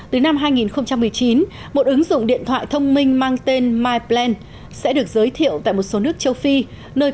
từ năm hai nghìn một mươi chín một ứng dụng điện thoại thông minh mang tên myplan sẽ được giới thiệu tại một số nước châu phi